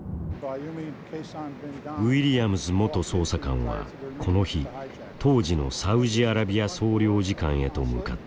ウィリアムズ元捜査官はこの日当時のサウジアラビア総領事官へと向かった。